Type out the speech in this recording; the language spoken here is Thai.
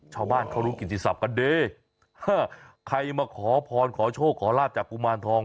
ชาวบ้านเขารู้กิติศัพท์กันดีใครมาขอพรขอโชคขอลาบจากกุมารทอง